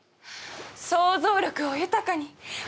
想像力を豊かに物事を。